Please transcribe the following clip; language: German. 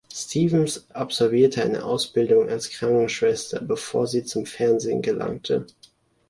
Stevens absolvierte eine Ausbildung als Krankenschwester, bevor sie zum Fernsehen gelangte.